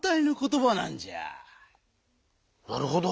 なるほど！